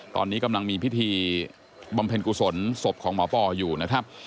ตอนนี้กำลังมีพิธีบำเพ็ญกุศลศพของหมอปออยู่นะครับ